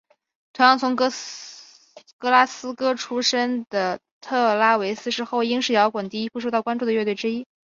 同样从格拉斯哥出身的特拉维斯是后英式摇滚第一批受到关注的乐团之一。